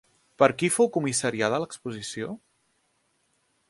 Per qui fou comissariada l'exposició?